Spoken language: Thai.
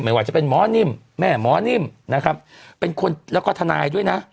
ว่าจะเป็นหมอนิ่มแม่หมอนิ่มนะครับเป็นคนแล้วก็ทนายด้วยนะ